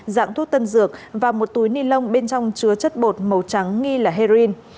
dạng thuốc tân dược và một túi nilon bên trong chứa chất bột màu trắng nghi là heroin